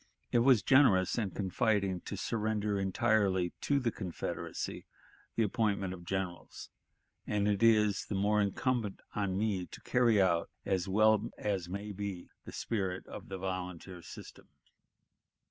It was generous and confiding to surrender entirely to the Confederacy the appointment of generals, and it is the more incumbent on me to carry out as well as may be the spirit of the volunteer system."